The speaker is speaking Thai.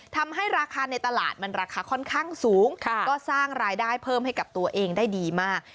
ทำให้ราคาในตลาดมันราคาค่อนข้างสูงก็สร้างรายได้เพิ่มให้กับตัวเองได้ดีมาก